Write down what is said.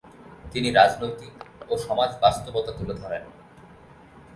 তিনি রাজনৈতিক ও সমাজ বাস্তবতা তুলে ধরেন।